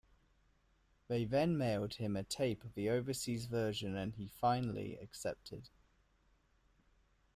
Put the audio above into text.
They then mailed him a tape of the overseas version and he finally accepted.